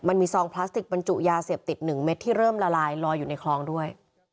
ซองพลาสติกบรรจุยาเสพติด๑เม็ดที่เริ่มละลายลอยอยู่ในคลองด้วย